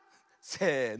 せの。